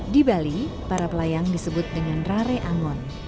di bali para pelayang disebut dengan rare angon